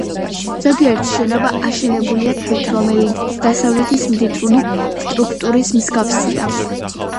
ზოგიერთი შენობა აშენებულია ქვით, რომელიც დასავლეთის მდიდრული სტრუქტურის მსგავსია.